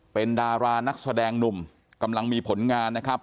เป็นดารานักแสดงหนุ่มกำลังมีผลงานนะครับ